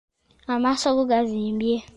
Amaaso go gazimbye..